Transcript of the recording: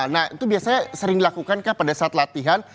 nah itu biasanya sering dilakukan kah pada saat latihan